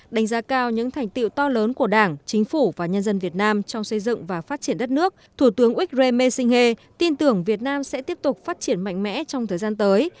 đánh giá cao những thành tiệu to lớn của đảng chính phủ và nhân dân việt nam trong xây dựng và phát triển đất nước thủ tướng ike me singhe tin tưởng việt nam sẽ tiếp tục phát triển mạnh mẽ trong thời gian tới